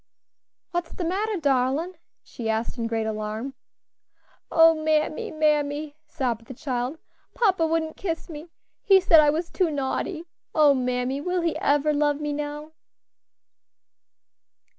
"What's de matter, darlin'?" she asked in great alarm. "O mammy, mammy!" sobbed the child, "papa wouldn't kiss me! he said I was too naughty. O mammy! will he ever love me now?"